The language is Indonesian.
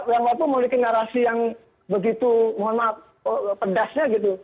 yang waktu memiliki narasi yang begitu mohon maaf pedasnya gitu